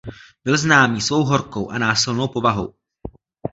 Byl známý svou horkou a násilnou povahou.